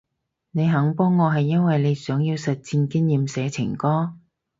你肯幫我係因為你想要實戰經驗寫情歌？